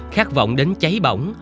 khát vọng đến cháy bỏng